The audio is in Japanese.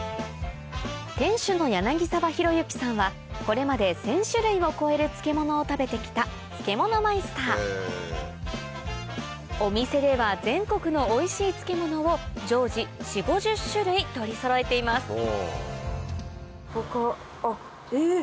店主の柳沢博幸さんはこれまで１０００種類を超える漬物を食べて来た漬物マイスターお店では全国のおいしい漬物を常時４０５０種類取りそろえていますあっえっ！